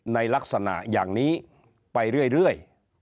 ในลักษณะอย่างนี้ไปเรื่อย